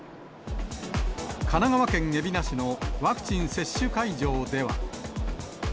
神奈川県海老名市のワクチン接種会場では。